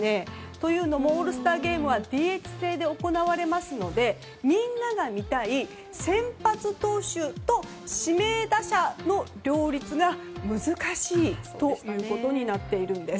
というのもオールスターゲームはＤＨ制で行われますのでみんなが見たい先発投手と指名打者の両立が難しいということになっているんです。